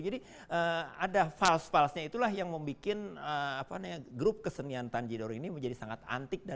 jadi ada fals falsnya itulah yang membuat grup kesenian tanjidor ini menjadi sangat antik dan